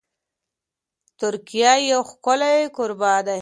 ترکیه یو ښکلی کوربه دی.